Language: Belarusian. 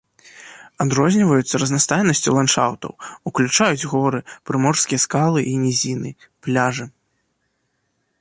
Адрозніваюцца разнастайнасцю ландшафтаў, уключаюць горы, прыморскія скалы і нізіны, пляжы.